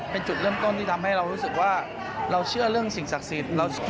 เป็นจุดเริ่มต้นที่ทำให้เรารู้สึกว่าเราเชื่อเรื่องสิ่งศักดิ์สิทธิ์